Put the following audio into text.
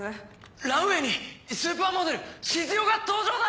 ランウエーにスーパーモデル静代が登場だ！